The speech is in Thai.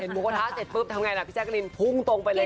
หมูกระทะเสร็จปุ๊บทำไงล่ะพี่แจ๊กลินพุ่งตรงไปเลย